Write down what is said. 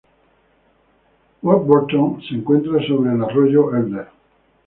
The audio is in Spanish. Warburton se encuentra sobre el Arroyo Elder.